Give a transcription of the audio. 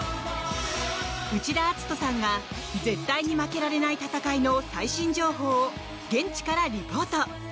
内田篤人さんが絶対に負けられない戦いの最新情報を現地からリポート！